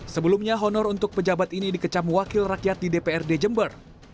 sebelumnya honor untuk pejabat ini dikecam wakil rakyat di dprd jember